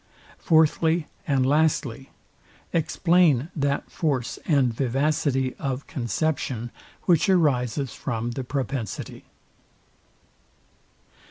Fourthly and lastly, Explain that force and vivacity of conception, which arises from the propensity.